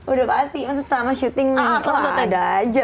udah pasti selama syuting selalu ada aja